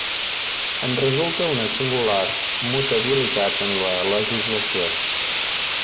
En resulta una singular mutabilitat en la legislació.